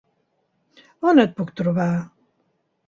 On et puc trobar?